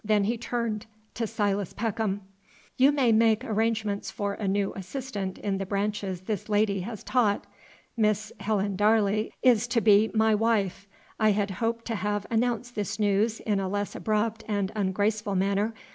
Then he turned to Silas Peckham. "You may make arrangements for a new assistant in the branches this lady has taught. Miss Helen Darley is to be my wife. I had hoped to have announced this news in a less abrupt and ungraceful manner.